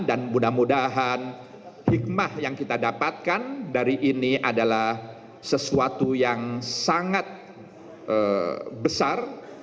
dan mudah mudahan hikmah yang kita dapatkan dari ini adalah sesuatu yang sangat besar